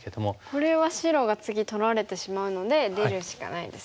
これは白が次取られてしまうので出るしかないですよね。